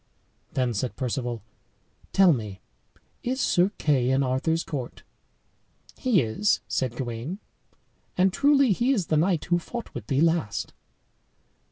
Then said Perceval, "Tell me, is Sir Kay in Arthur's court?" "He is," said Gawain; "and truly he is the knight who fought with thee last."